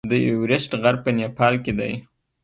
د ایورسټ غر په نیپال کې دی.